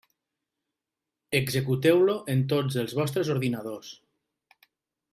Executeu-lo en tots els vostres ordinadors.